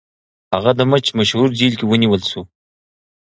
هغه د مچ مشهور جیل کې ونیول شو.